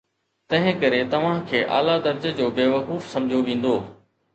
تنهنڪري توهان کي اعليٰ درجي جو بيوقوف سمجهيو ويندو.